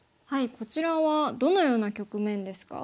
こちらはどのような局面ですか？